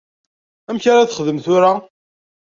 Amek ara texdem tura?